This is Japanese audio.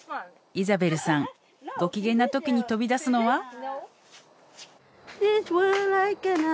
イザベルさんご機嫌なときに飛び出すのは。